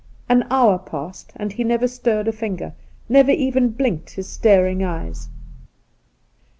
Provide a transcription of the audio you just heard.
An hour passed, and he never stirred a finger — never even blinked his staring eyes.